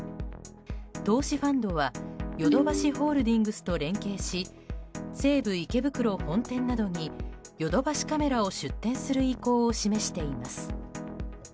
投資ファンドはヨドバシホールディングスと連携し西武池袋本店などにヨドバシカメラを出店する意向を示しています。